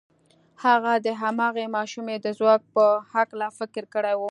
هغه د هماغې ماشومې د ځواک په هکله فکر کړی و.